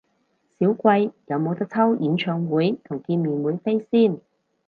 少貴，有無得抽演唱會同見面會飛先？